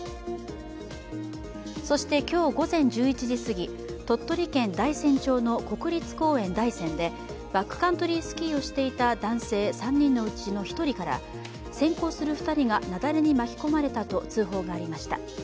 そして今日午前１１時すぎ鳥取県大山町の国立公園大山で、バックカントリースキーをしていた男性３人のうち１人から先行する２人が雪崩に巻き込まれたと通報がありました。